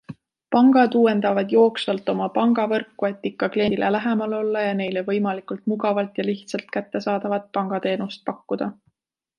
Pangad uuendavad jooksvalt oma pangavõrku, et ikka kliendile lähemal olla ja neile võimalikult mugavalt ja lihtsalt kättesaadavat pangateenust pakkuda.